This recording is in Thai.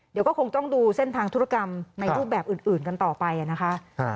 เดี๋ยวก็คงต้องดูเส้นทางธุรกรรมในรูปแบบอื่นกันต่อไปนะคะ